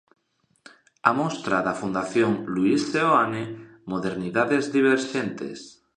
A mostra da Fundación Luís Seoane "Modernidades diverxentes".